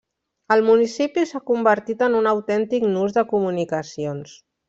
El municipi s'ha convertit en un autèntic nus de comunicacions.